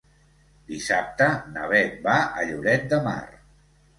Dissabte na Bet va a Lloret de Mar.